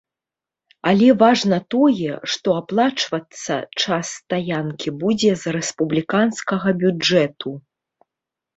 Але важна тое, што аплачвацца час стаянкі будзе з рэспубліканскага бюджэту.